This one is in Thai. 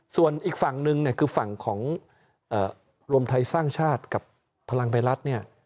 ส่วนอีกฝั่งหนึ่งคือฝั่งของรวมไทยสร้างชาติกับพลังไพรัส